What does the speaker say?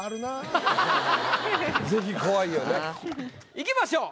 いきましょう。